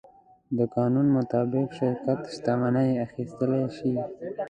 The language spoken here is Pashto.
د قانون مطابق شرکت شتمنۍ اخیستلی شي.